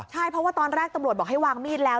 ใช่เพราะว่าตอนแรกตำรวจบอกให้วางมีดแล้ว